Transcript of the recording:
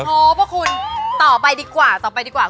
โหพวกคุณต่อไปดีกว่า